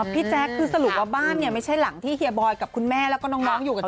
พี่แจ็กซสรุปว่าบ้านเนี่ยไม่ใช่หลังที่เฮียบอยกับมันอยู่